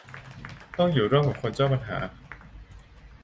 ต้องอยู่ร่วมกับคนเจ้าปัญหา